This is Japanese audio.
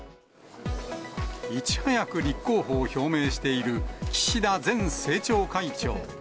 いち早く立候補を表明している岸田前政調会長。